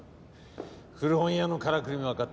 古本屋のからくりもわかってる。